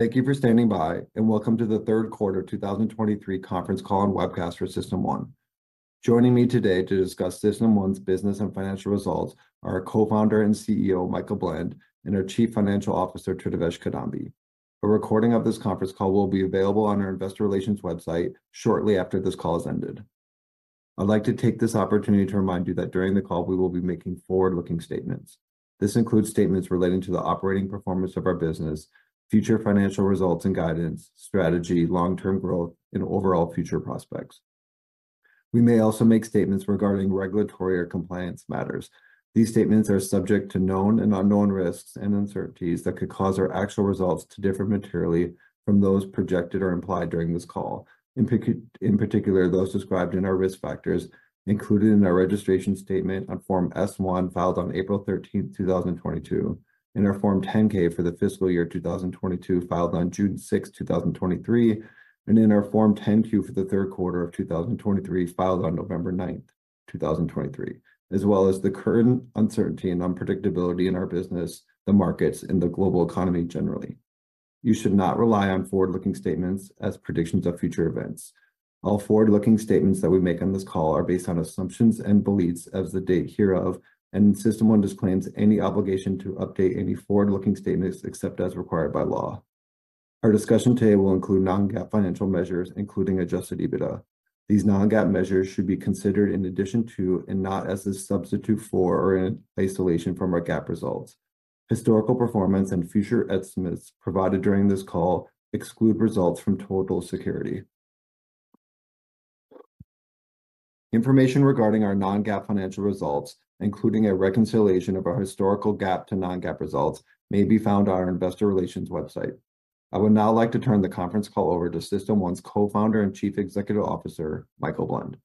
Thank you for standing by, and welcome to the third quarter 2023 conference call and webcast for System1. Joining me today to discuss System1's Business and Financial Results are our Co-Founder and CEO, Michael Blend, and our Chief Financial Officer, Tridivesh Kidambi. A recording of this conference call will be available on our investor relations website shortly after this call has ended. I'd like to take this opportunity to remind you that during the call, we will be making forward-looking statements. This includes statements relating to the operating performance of our business, future financial results and guidance, strategy, long-term growth, and overall future prospects. We may also make statements regarding regulatory or compliance matters. These statements are subject to known and unknown risks and uncertainties that could cause our actual results to differ materially from those projected or implied during this call. In particular, those described in our risk factors, included in our registration statement on Form S-1, filed on April 13th, 2022, in our Form 10-K for the fiscal year 2022, filed on June 6th, 2023, and in our Form 10-Q for the third quarter of 2023, filed on November 9th, 2023, as well as the current uncertainty and unpredictability in our business, the markets, and the global economy generally. You should not rely on forward-looking statements as predictions of future events. All forward-looking statements that we make on this call are based on assumptions and beliefs as of the date hereof, and System1 disclaims any obligation to update any forward-looking statements, except as required by law. Our discussion today will include non-GAAP financial measures, including Adjusted EBITDA. These non-GAAP measures should be considered in addition to, and not as a substitute for or in isolation from, our GAAP results. Historical performance and future estimates provided during this call exclude results from Total Security. Information regarding our non-GAAP financial results, including a reconciliation of our historical GAAP to non-GAAP results, may be found on our investor relations website. I would now like to turn the conference call over to System1's Co-founder and Chief Executive Officer, Michael Blend.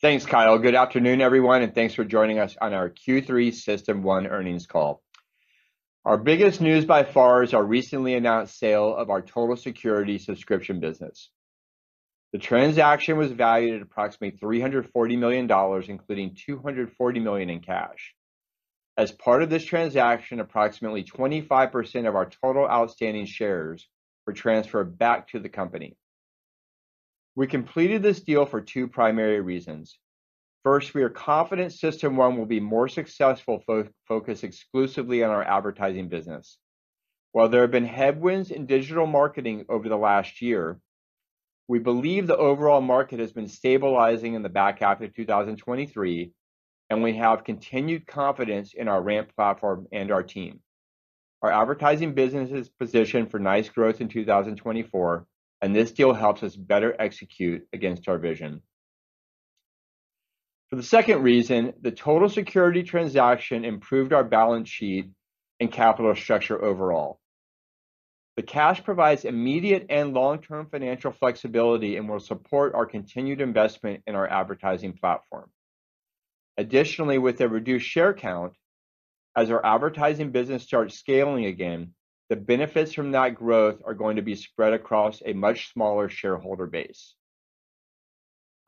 Thanks, Kyle. Good afternoon, everyone, and thanks for joining us on our Q3 System1 earnings call. Our biggest news by far is our recently announced sale of our Total Security subscription business. The transaction was valued at approximately $340 million, including $240 million in cash. As part of this transaction, approximately 25% of our total outstanding shares were transferred back to the company. We completed this deal for two primary reasons. First, we are confident System1 will be more successful focused exclusively on our advertising business. While there have been headwinds in digital marketing over the last year, we believe the overall market has been stabilizing in the back half of 2023, and we have continued confidence in our RAMP platform and our team. Our advertising business is positioned for nice growth in 2024, and this deal helps us better execute against our vision. For the second reason, the Total Security transaction improved our balance sheet and capital structure overall. The cash provides immediate and long-term financial flexibility and will support our continued investment in our advertising platform. Additionally, with a reduced share count, as our advertising business starts scaling again, the benefits from that growth are going to be spread across a much smaller shareholder base.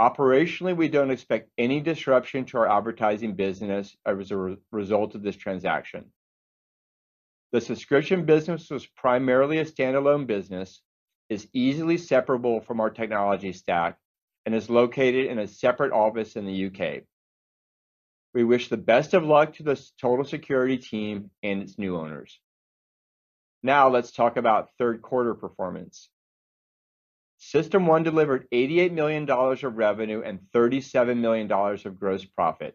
Operationally, we don't expect any disruption to our advertising business as a result of this transaction. The subscription business was primarily a standalone business, is easily separable from our technology stack, and is located in a separate office in the U.K. We wish the best of luck to the Total Security team and its new owners. Now, let's talk about third quarter performance. System1 delivered $88 million of revenue and $37 million of gross profit.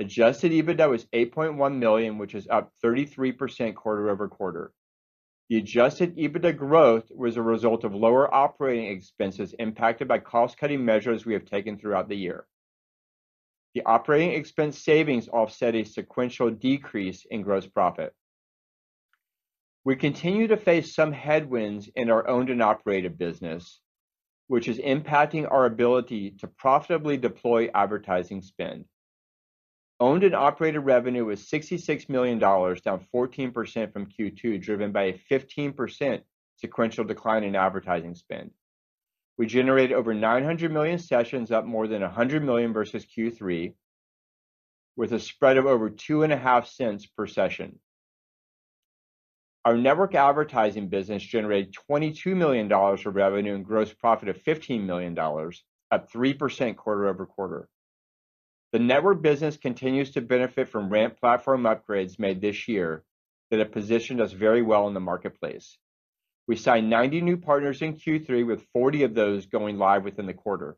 Adjusted EBITDA was $8.1 million, which is up 33% quarter-over-quarter. The adjusted EBITDA growth was a result of lower operating expenses impacted by cost-cutting measures we have taken throughout the year. The operating expense savings offset a sequential decrease in gross profit. We continue to face some headwinds in our owned and operated business, which is impacting our ability to profitably deploy advertising spend. Owned and operated revenue was $66 million, down 14% from Q2, driven by a 15% sequential decline in advertising spend. We generated over 900 million sessions, up more than 100 million versus Q3, with a spread of over $0.025 per session. Our network advertising business generated $22 million of revenue and gross profit of $15 million, up 3% quarter-over-quarter. The network business continues to benefit from RAMP platform upgrades made this year that have positioned us very well in the marketplace. We signed 90 new partners in Q3, with 40 of those going live within the quarter.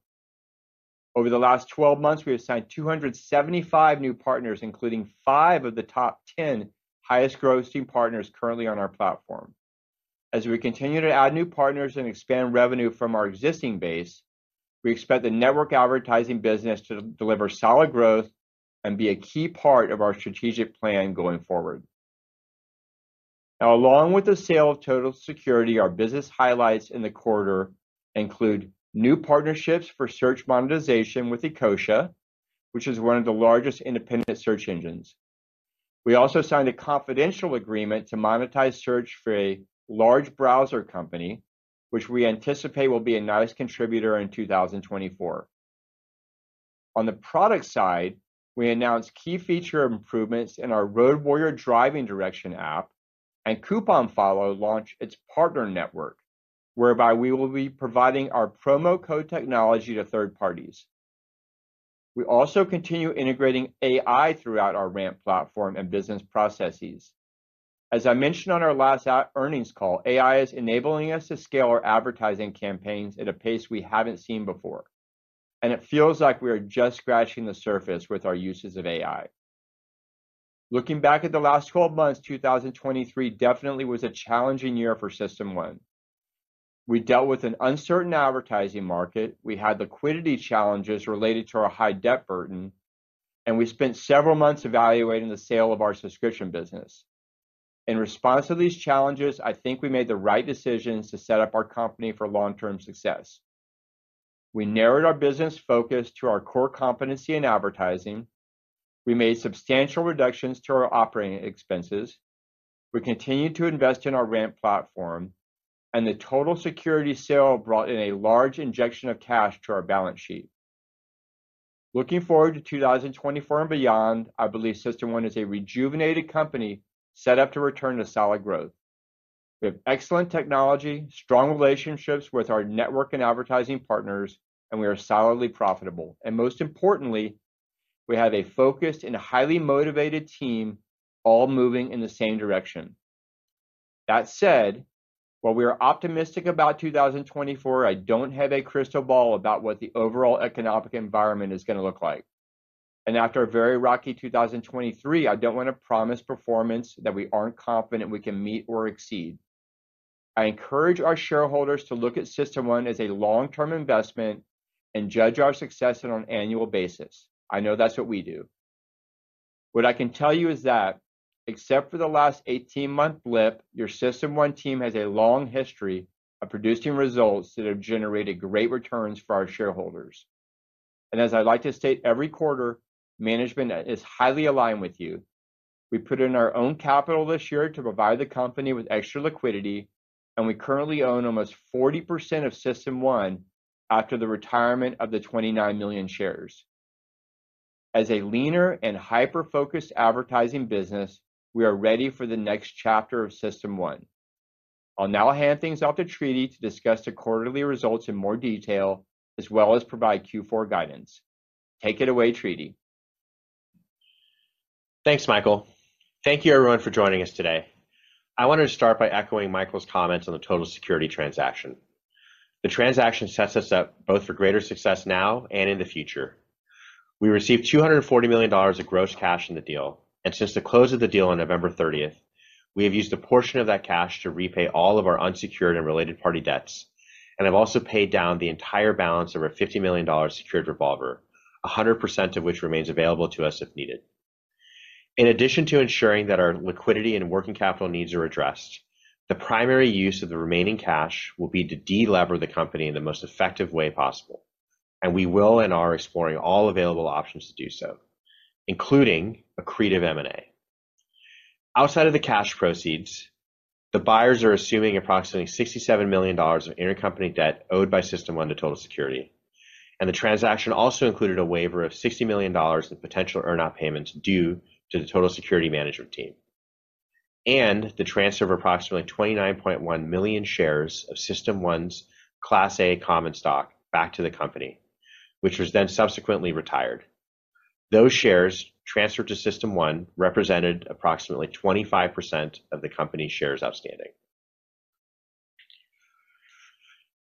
Over the last 12 months, we have signed 275 new partners, including five of the top 10 highest grossing partners currently on our platform. As we continue to add new partners and expand revenue from our existing base, we expect the network advertising business to deliver solid growth and be a key part of our strategic plan going forward. Now, along with the sale of Total Security, our business highlights in the quarter include new partnerships for search monetization with Ecosia, which is one of the largest independent search engines. We also signed a confidential agreement to monetize search for a large browser company, which we anticipate will be a nice contributor in 2024. On the product side, we announced key feature improvements in our RoadWarrior driving direction app, and CouponFollow launched its partner network, whereby we will be providing our promo code technology to third parties. We also continue integrating AI throughout our RAMP platform and business processes. As I mentioned on our last earnings call, AI is enabling us to scale our advertising campaigns at a pace we haven't seen before, and it feels like we are just scratching the surface with our uses of AI. Looking back at the last 12 months, 2023 definitely was a challenging year for System1. We dealt with an uncertain advertising market, we had liquidity challenges related to our high debt burden, and we spent several months evaluating the sale of our subscription business. In response to these challenges, I think we made the right decisions to set up our company for long-term success. We narrowed our business focus to our core competency in advertising. We made substantial reductions to our operating expenses. We continued to invest in our RAMP platform, and the Total Security sale brought in a large injection of cash to our balance sheet. Looking forward to 2024 and beyond, I believe System1 is a rejuvenated company set up to return to solid growth. We have excellent technology, strong relationships with our network and advertising partners, and we are solidly profitable. Most importantly, we have a focused and highly motivated team, all moving in the same direction. That said, while we are optimistic about 2024, I don't have a crystal ball about what the overall economic environment is gonna look like. After a very rocky 2023, I don't want to promise performance that we aren't confident we can meet or exceed. I encourage our shareholders to look at System1 as a long-term investment and judge our success on an annual basis. I know that's what we do. What I can tell you is that except for the last 18-month blip, your System1 team has a long history of producing results that have generated great returns for our shareholders. As I'd like to state, every quarter, management is highly aligned with you. We put in our own capital this year to provide the company with extra liquidity, and we currently own almost 40% of System1 after the retirement of the 29 million shares. As a leaner and hyper-focused advertising business, we are ready for the next chapter of System1. I'll now hand things off to Tridi to discuss the quarterly results in more detail, as well as provide Q4 guidance. Take it away, Tridi. Thanks, Michael. Thank you everyone for joining us today. I wanted to start by echoing Michael's comments on the Total Security transaction. The transaction sets us up both for greater success now and in the future. We received $240 million of gross cash in the deal, and since the close of the deal on November thirtieth, we have used a portion of that cash to repay all of our unsecured and related party debts, and have also paid down the entire balance of our $50 million secured revolver, 100% of which remains available to us if needed. In addition to ensuring that our liquidity and working capital needs are addressed, the primary use of the remaining cash will be to delever the company in the most effective way possible, and we will and are exploring all available options to do so, including accretive M&A. Outside of the cash proceeds, the buyers are assuming approximately $67 million of intercompany debt owed by System1 to Total Security, and the transaction also included a waiver of $60 million in potential earnout payments due to the Total Security management team. The transfer of approximately 29.1 million shares of System1's Class A common stock back to the company, which was then subsequently retired. Those shares transferred to System1 represented approximately 25% of the company's shares outstanding.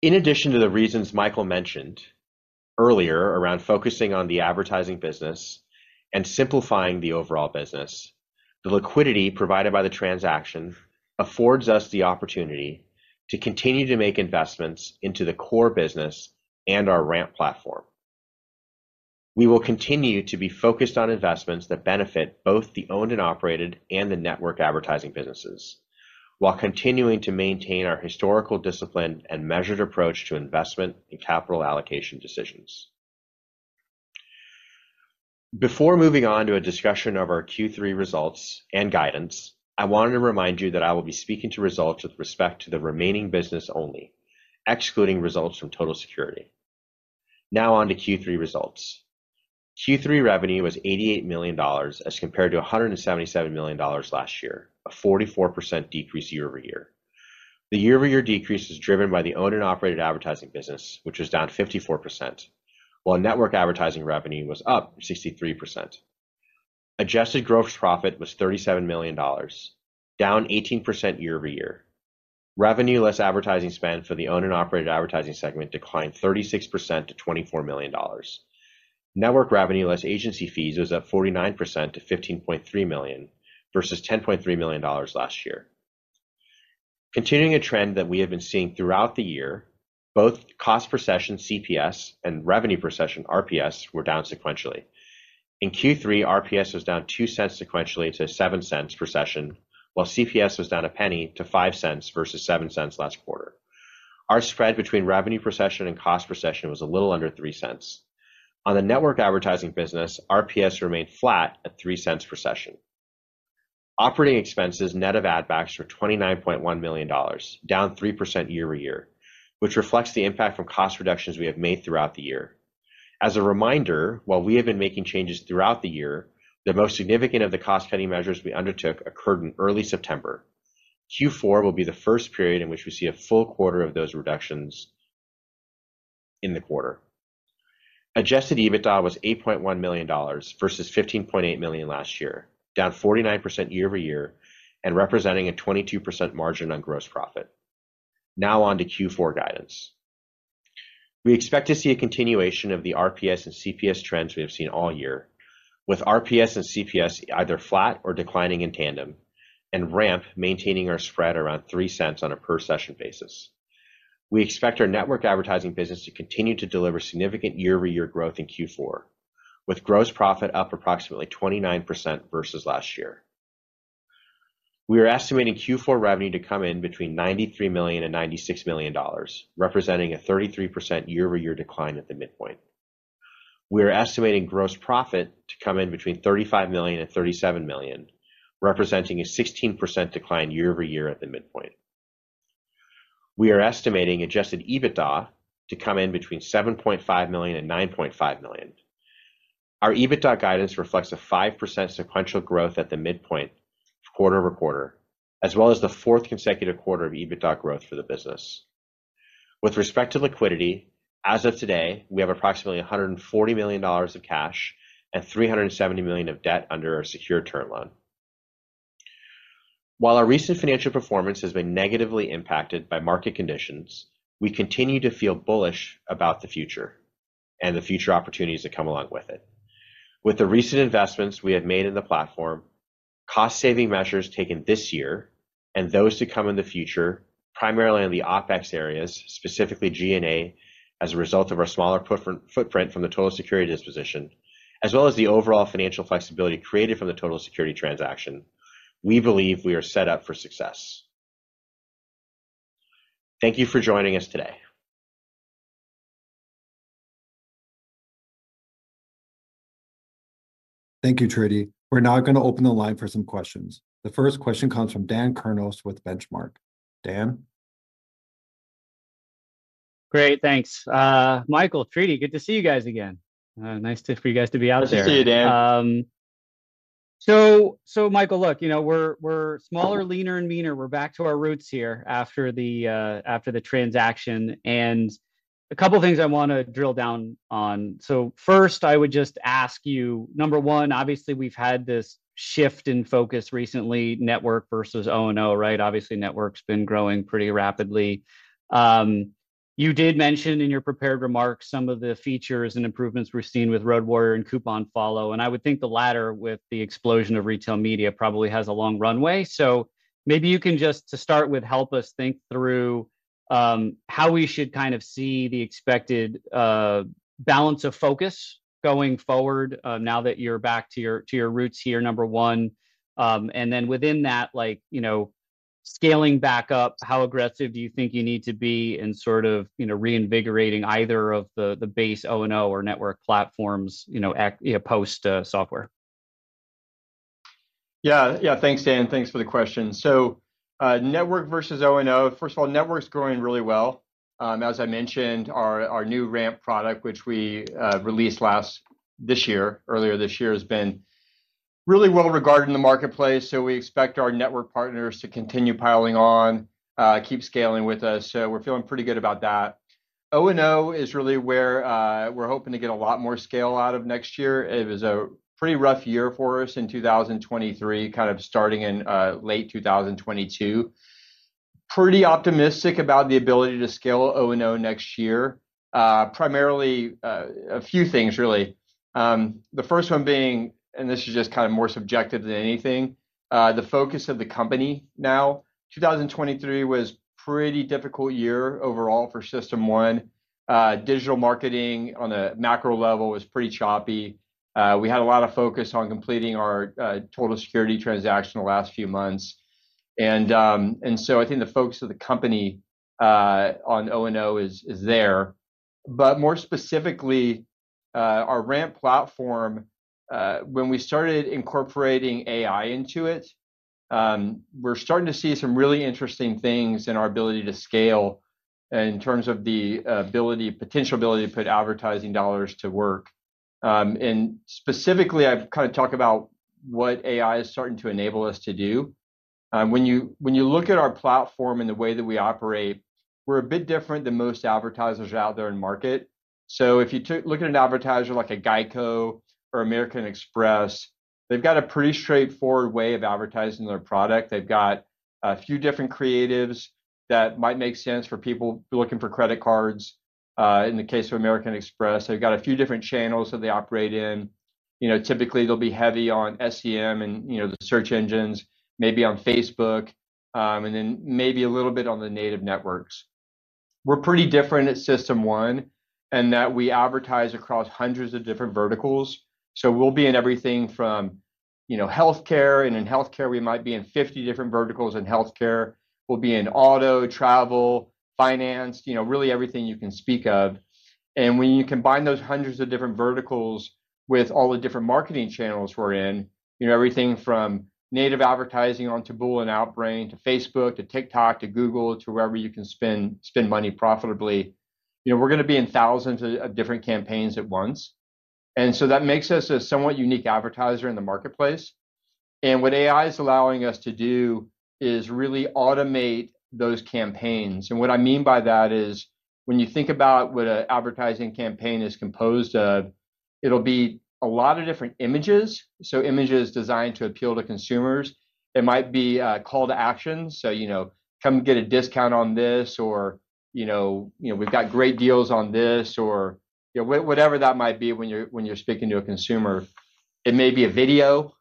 In addition to the reasons Michael mentioned earlier around focusing on the advertising business and simplifying the overall business, the liquidity provided by the transaction affords us the opportunity to continue to make investments into the core business and our RAMP platform. We will continue to be focused on investments that benefit both the owned and operated and the network advertising businesses, while continuing to maintain our historical discipline and measured approach to investment and capital allocation decisions. Before moving on to a discussion of our Q3 results and guidance, I wanted to remind you that I will be speaking to results with respect to the remaining business only, excluding results from Total Security. Now on to Q3 results. Q3 revenue was $88 million, as compared to $177 million last year, a 44% decrease year-over-year. year-over-year decrease is driven by the owned and operated advertising business, which was down 54%, while network advertising revenue was up 63%. Adjusted gross profit was $37 million, year-over-year. revenue less advertising spend for the owned and operated advertising segment declined 36% to $24 million. Network revenue less agency fees was up 49% to $15.3 million versus $10.3 million last year. Continuing a trend that we have been seeing throughout the year, both cost per session, CPS, and revenue per session, RPS, were down sequentially. In Q3, RPS was down $0.02 sequentially to $0.07 per session, while CPS was down $0.01 to $0.05 versus $0.07 last quarter. Our spread between revenue per session and cost per session was a little under $0.03. On the network advertising business, RPS remained flat at $0.03 per session. Operating expenses net of ad backs were $29.1 million, year-over-year, which reflects the impact from cost reductions we have made throughout the year. As a reminder, while we have been making changes throughout the year, the most significant of the cost-cutting measures we undertook occurred in early September. Q4 will be the first period in which we see a full quarter of those reductions in the quarter. Adjusted EBITDA was $8.1 million versus $15.8 million last year, year-over-year and representing a 22% margin on gross profit. Now on to Q4 guidance. We expect to see a continuation of the RPS and CPS trends we have seen all year, with RPS and CPS either flat or declining in tandem, and RAMP maintaining our spread around $0.03 on a per session basis. We expect our network advertising business to continue to year-over-year growth in Q4, with gross profit up approximately 29% versus last year. We are estimating Q4 revenue to come in between $93 million and $96 million, representing year-over-year decline at the midpoint. We are estimating gross profit to come in between $35 million and $37 million, representing a year-over-year at the midpoint. We are estimating Adjusted EBITDA to come in between $7.5 million and $9.5 million. Our EBITDA guidance reflects a 5% sequential growth at the midpoint quarter-over-quarter, as well as the fourth consecutive quarter of EBITDA growth for the business. With respect to liquidity, as of today, we have approximately $140 million of cash and $370 million of debt under our secured term loan. While our recent financial performance has been negatively impacted by market conditions, we continue to feel bullish about the future and the future opportunities that come along with it. With the recent investments we have made in the platform, cost-saving measures taken this year and those to come in the future, primarily on the OpEx areas, specifically G&A, as a result of our smaller footprint from the Total Security disposition, as well as the overall financial flexibility created from the Total Security transaction, we believe we are set up for success. Thank you for joining us today. Thank you, Tridi. We're now gonna open the line for some questions. The first question comes from Dan Kurnos with Benchmark. Dan? Great, thanks. Michael, Tridi, good to see you guys again. Nice to, for you guys to be out there. Nice to see you, Dan. So, Michael, look, you know, we're smaller, leaner, and meaner. We're back to our roots here after the transaction, and a couple of things I wanna drill down on. So first, I would just ask you, number one, obviously, we've had this shift in focus recently, network versus O&O, right? Obviously, network's been growing pretty rapidly. You did mention in your prepared remarks some of the features and improvements we're seeing with RoadWarrior and CouponFollow, and I would think the latter, with the explosion of retail media, probably has a long runway. So maybe you can just, to start with, help us think through, how we should kind of see the expected balance of focus going forward, now that you're back to your roots here, number one. and then within that, like, you know, scaling back up, how aggressive do you think you need to be in sort of, you know, reinvigorating either of the, the base O&O or network platforms, you know, post software? Yeah. Yeah, thanks, Dan. Thanks for the question. So, network versus O&O. First of all, network's growing really well. As I mentioned, our new RAMP product, which we released earlier this year, has been really well-regarded in the marketplace, so we expect our network partners to continue piling on, keep scaling with us. So we're feeling pretty good about that. O&O is really where we're hoping to get a lot more scale out of next year. It was a pretty rough year for us in 2023, kind of starting in late 2022. Pretty optimistic about the ability to scale O&O next year. Primarily, a few things, really. The first one being, and this is just kind of more subjective than anything, the focus of the company now. 2023 was pretty difficult year overall for System1. Digital marketing on a macro level was pretty choppy. We had a lot of focus on completing our Total Security transaction the last few months. And so I think the focus of the company on O&O is there. But more specifically, our RAMP platform, when we started incorporating AI into it, we're starting to see some really interesting things in our ability to scale in terms of the ability, potential ability to put advertising dollars to work. And specifically, I've kind of talked about what AI is starting to enable us to do. When you look at our platform and the way that we operate, we're a bit different than most advertisers out there in market. So if you look at an advertiser like a GEICO or American Express, they've got a pretty straightforward way of advertising their product. They've got a few different creatives that might make sense for people looking for credit cards, in the case of American Express. They've got a few different channels that they operate in. You know, typically, they'll be heavy on SEM and, you know, the search engines, maybe on Facebook, and then maybe a little bit on the native networks. We're pretty different at System1, in that we advertise across hundreds of different verticals, so we'll be in everything from, you know, healthcare, and in healthcare, we might be in 50 different verticals in healthcare. We'll be in auto, travel, finance, you know, really everything you can speak of.... and when you combine those hundreds of different verticals with all the different marketing channels we're in, you know, everything from native advertising on Taboola and Outbrain, to Facebook, to TikTok, to Google, to wherever you can spend, spend money profitably, you know, we're gonna be in thousands of different campaigns at once. And so that makes us a somewhat unique advertiser in the marketplace. And what AI is allowing us to do is really automate those campaigns, and what I mean by that is, when you think about what an advertising campaign is composed of, it'll be a lot of different images, so images designed to appeal to consumers. It might be a call to action, so, you know, "Come get a discount on this," or, you know, you know, "We've got great deals on this," or, you know, whatever that might be when you're speaking to a consumer. It may be a video.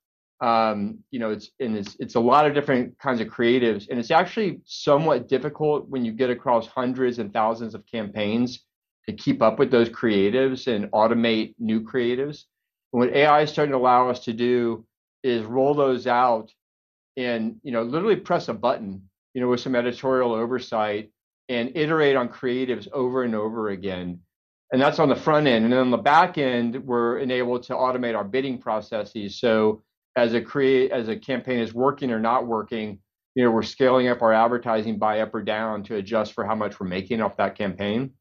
You know, it's a lot of different kinds of creatives, and it's actually somewhat difficult when you get across hundreds and thousands of campaigns to keep up with those creatives and automate new creatives. And what AI is starting to allow us to do is roll those out and, you know, literally press a button, you know, with some editorial oversight and iterate on creatives over and over again, and that's on the front end. And then on the back end, we're enabled to automate our bidding processes. So as a campaign is working or not working, you know, we're scaling up our advertising buy up or down to adjust for how much we're making off that campaign.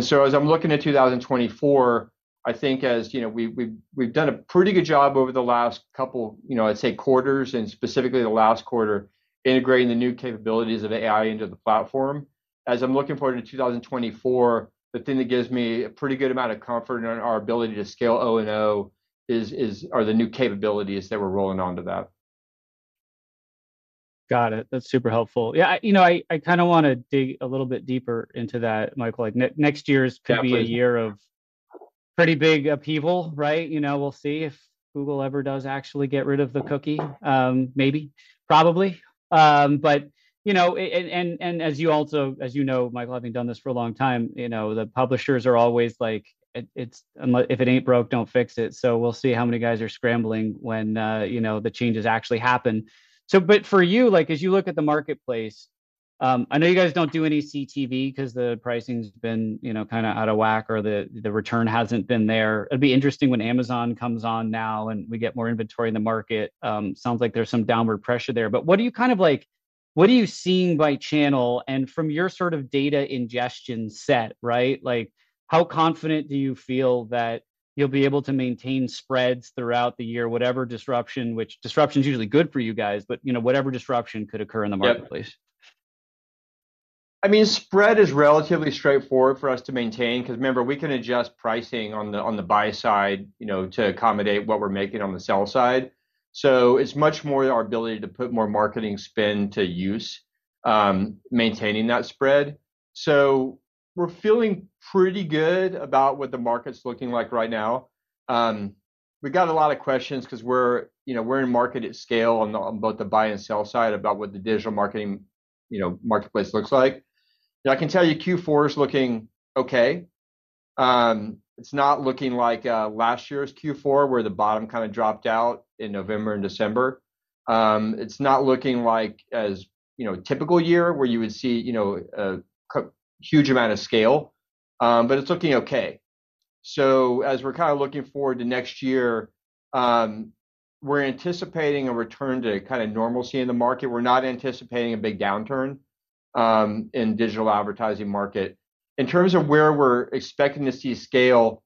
So as I'm looking at 2024, I think as, you know, we've done a pretty good job over the last couple, you know, I'd say quarters, and specifically the last quarter, integrating the new capabilities of AI into the platform. As I'm looking forward to 2024, the thing that gives me a pretty good amount of comfort in our ability to scale O&O is... are the new capabilities that we're rolling onto that. Got it. That's super helpful. Yeah, you know, I kinda wanna dig a little bit deeper into that, Michael. Like, next year- Absolutely... could be a year of pretty big upheaval, right? You know, we'll see if Google ever does actually get rid of the cookie. Maybe, probably. But, you know, and as you also, as you know, Michael, having done this for a long time, you know, the publishers are always like, "It's if it ain't broke, don't fix it." So we'll see how many guys are scrambling when, you know, the changes actually happen. So but for you, like, as you look at the marketplace, I know you guys don't do any CTV, 'cause the pricing's been, you know, kinda out of whack, or the, the return hasn't been there. It'd be interesting when Amazon comes on now, and we get more inventory in the market. Sounds like there's some downward pressure there. But what are you seeing by channel and from your sort of data ingestion set, right? Like, how confident do you feel that you'll be able to maintain spreads throughout the year, whatever disruption, which disruption's usually good for you guys, but, you know, whatever disruption could occur in the marketplace? Yep. I mean, spread is relatively straightforward for us to maintain, 'cause remember, we can adjust pricing on the, on the buy side, you know, to accommodate what we're making on the sell side. So it's much more our ability to put more marketing spend to use, maintaining that spread. So we're feeling pretty good about what the market's looking like right now. We got a lot of questions, 'cause we're, you know, we're in market at scale on the, on both the buy and sell side about what the digital marketing, you know, marketplace looks like. I can tell you Q4 is looking okay. It's not looking like last year's Q4, where the bottom kind of dropped out in November and December. It's not looking like as, you know, a typical year where you would see, you know, a huge amount of scale, but it's looking okay. So as we're kind of looking forward to next year, we're anticipating a return to kind of normalcy in the market. We're not anticipating a big downturn in digital advertising market. In terms of where we're expecting to see scale,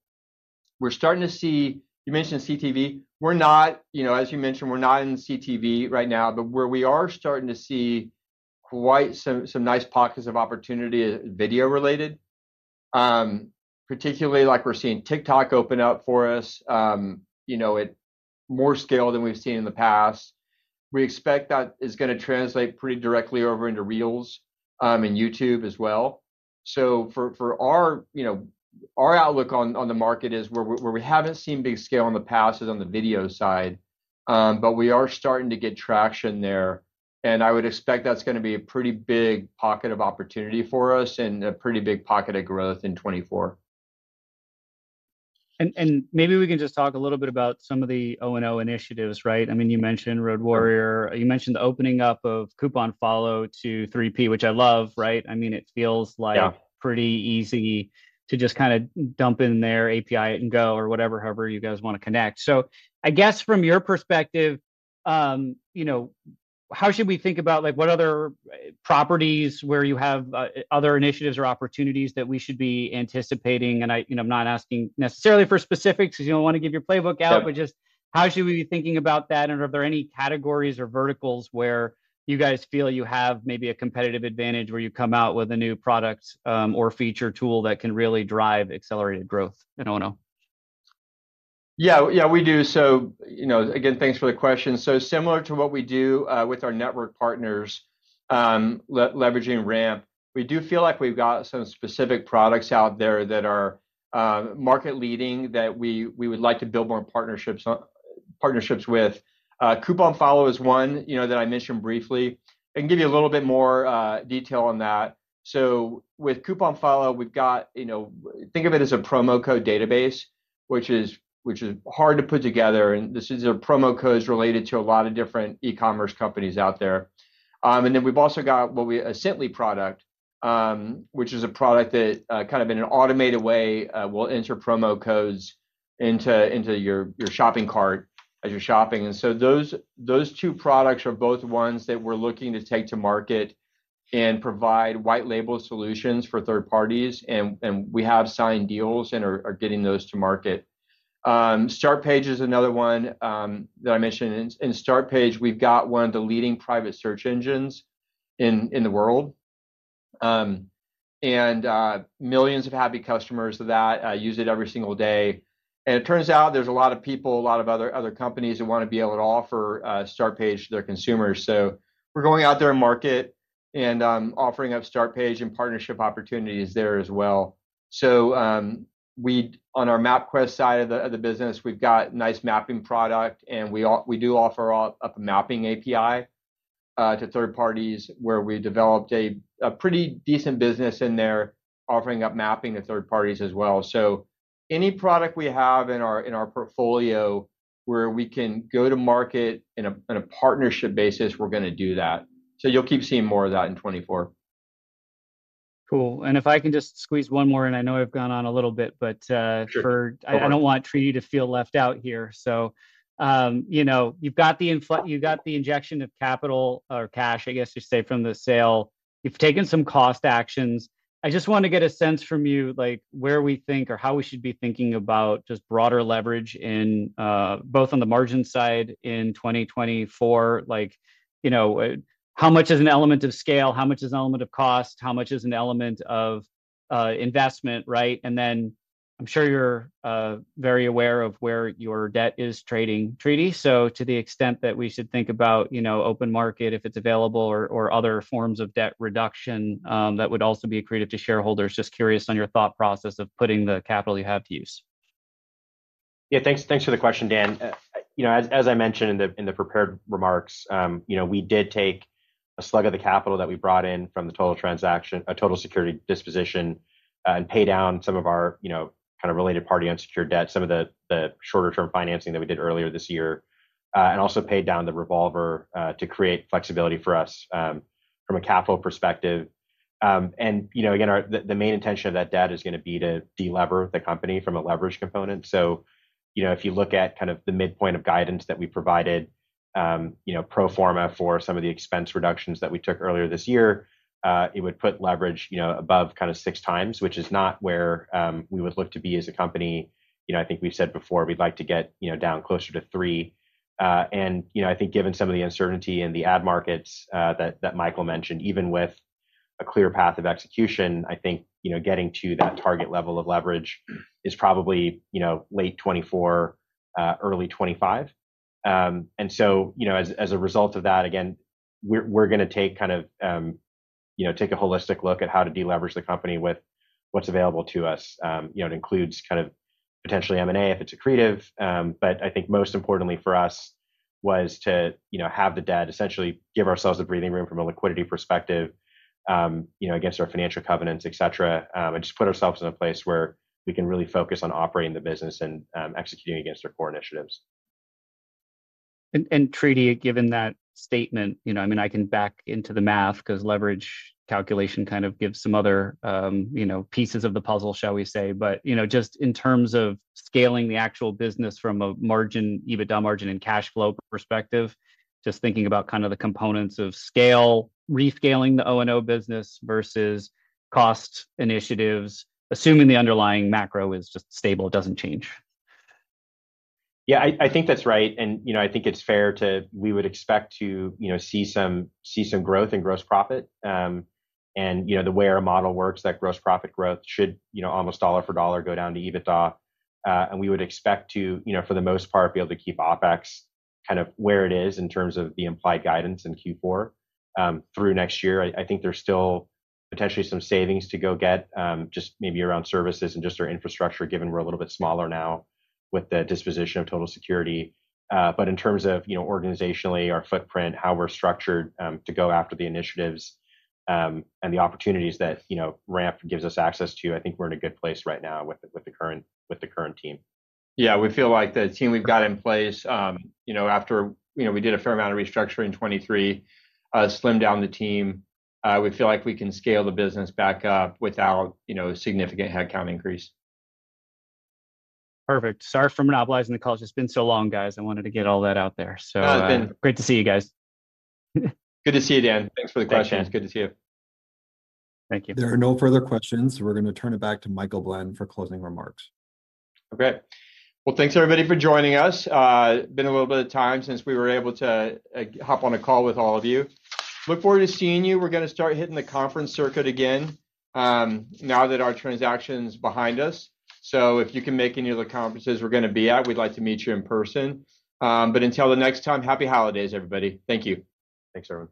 we're starting to see... You mentioned CTV. We're not, you know, as you mentioned, we're not in CTV right now, but where we are starting to see quite some nice pockets of opportunity video-related. Particularly like we're seeing TikTok open up for us, you know, at more scale than we've seen in the past. We expect that is gonna translate pretty directly over into Reels, and YouTube as well. So, for our, you know, our outlook on the market is where we haven't seen big scale in the past is on the video side. But we are starting to get traction there, and I would expect that's gonna be a pretty big pocket of opportunity for us and a pretty big pocket of growth in 2024. And maybe we can just talk a little bit about some of the O&O initiatives, right? I mean, you mentioned RoadWarrior, you mentioned the opening up of CouponFollow to 3P, which I love, right? I mean, it feels like- Yeah... pretty easy to just kinda dump in their API and go or whatever, however you guys wanna connect. So I guess from your perspective, you know, how should we think about, like, what other properties where you have other initiatives or opportunities that we should be anticipating? And I, you know, I'm not asking necessarily for specifics, 'cause you don't want to give your playbook out- Sure... but just how should we be thinking about that? And are there any categories or verticals where you guys feel you have maybe a competitive advantage where you come out with a new product, or feature tool that can really drive accelerated growth in O&O? Yeah, yeah, we do. So, you know, again, thanks for the question. So similar to what we do with our network partners, leveraging RAMP, we do feel like we've got some specific products out there that are market-leading that we would like to build more partnerships with. CouponFollow is one, you know, that I mentioned briefly. I can give you a little bit more detail on that. So with CouponFollow, we've got, you know... think of it as a promo code database, which is hard to put together, and this is a promo codes related to a lot of different e-commerce companies out there. And then we've also got what we-- a Cently product, which is a product that, kind of in an automated way, will enter promo codes into, into your, your shopping cart as you're shopping. And so those, those two products are both ones that we're looking to take to market and provide white label solutions for third parties, and, and we have signed deals and are, are getting those to market. Startpage is another one, that I mentioned. In, in Startpage, we've got one of the leading private search engines in, in the world. And, millions of happy customers of that, use it every single day. And it turns out there's a lot of people, a lot of other, other companies who wanna be able to offer, Startpage to their consumers. So we're going out there and market and, offering up Startpage and partnership opportunities there as well. So, on our MapQuest side of the, of the business, we've got nice mapping product, and we do offer a mapping API to third parties, where we developed a pretty decent business in there, offering up mapping to third parties as well. So any product we have in our, in our portfolio where we can go to market in a, in a partnership basis, we're gonna do that. So you'll keep seeing more of that in 2024. Cool. If I can just squeeze one more in. I know I've gone on a little bit, but. Sure. I don't want Tridi to feel left out here. So, you know, you've got the injection of capital or cash, I guess you say, from the sale. You've taken some cost actions. I just wanna get a sense from you, like, where we think or how we should be thinking about just broader leverage in both on the margin side in 2024. Like, you know, how much is an element of scale? How much is an element of cost? How much is an element of investment, right? And then I'm sure you're very aware of where your debt is trading, Tridi. So to the extent that we should think about, you know, open market, if it's available, or other forms of debt reduction, that would also be accretive to shareholders. Just curious on your thought process of putting the capital you have to use? Yeah, thanks, thanks for the question, Dan. You know, as I mentioned in the prepared remarks, you know, we did take a slug of the capital that we brought in from the Total Security disposition, and pay down some of our, you know, kind of related party unsecured debt, some of the shorter-term financing that we did earlier this year. And also paid down the revolver, to create flexibility for us, from a capital perspective. And, you know, again, the main intention of that debt is gonna be to delever the company from a leverage component. So, you know, if you look at kind of the midpoint of guidance that we provided, you know, pro forma for some of the expense reductions that we took earlier this year, it would put leverage, you know, above kind of 6x, which is not where we would look to be as a company. You know, I think we've said before, we'd like to get, you know, down closer to 3x. And, you know, I think given some of the uncertainty in the ad markets, that Michael mentioned, even with a clear path of execution, I think, you know, getting to that target level of leverage is probably, you know, late 2024, early 2025. And so, you know, as a result of that, again, we're gonna take kind of, you know, take a holistic look at how to deleverage the company with what's available to us. You know, it includes kind of potentially M&A, if it's accretive. But I think most importantly for us was to, you know, have the debt essentially give ourselves the breathing room from a liquidity perspective, you know, against our financial covenants, et cetera. And just put ourselves in a place where we can really focus on operating the business and executing against our core initiatives. Tridi, given that statement, you know, I mean, I can back into the math, 'cause leverage calculation kind of gives some other, you know, pieces of the puzzle, shall we aay. But, you know, just in terms of scaling the actual business from a margin, EBITDA margin, and cash flow perspective, just thinking about kind of the components of scale, rescaling the O&O business versus cost initiatives, assuming the underlying macro is just stable, doesn't change. Yeah, I think that's right, and, you know, I think it's fair we would expect to, you know, see some growth in gross profit. And, you know, the way our model works, that gross profit growth should, you know, almost dollar for dollar, go down to EBITDA. And we would expect to, you know, for the most part, be able to keep OpEx kind of where it is in terms of the implied guidance in Q4, through next year. I think there's still potentially some savings to go get, just maybe around services and just our infrastructure, given we're a little bit smaller now with the disposition of Total Security. But in terms of, you know, organizationally, our footprint, how we're structured, to go after the initiatives, and the opportunities that, you know, RAMP gives us access to, I think we're in a good place right now with the, with the current, with the current team. Yeah, we feel like the team we've got in place, you know, after, you know, we did a fair amount of restructuring in 2023, slimmed down the team, we feel like we can scale the business back up without, you know, significant headcount increase. Perfect. Sorry for monopolizing the call. It's just been so long, guys. I wanted to get all that out there. No, it's been- Great to see you guys. Good to see you, Dan. Thanks for the questions. Thanks, Dan. Good to see you. Thank you. There are no further questions, so we're gonna turn it back to Michael Blend for closing remarks. Okay. Well, thanks, everybody, for joining us. Been a little bit of time since we were able to hop on a call with all of you. Look forward to seeing you. We're gonna start hitting the conference circuit again, now that our transaction's behind us. So if you can make any of the conferences we're gonna be at, we'd like to meet you in person. But until the next time, Happy Holidays, everybody. Thank you. Thanks, everyone.